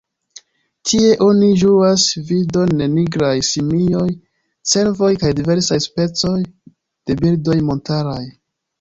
Tie oni ĝuas vidon de nigraj simioj, cervoj kaj diversaj specoj de birdoj montaraj.